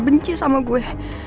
benci sama gue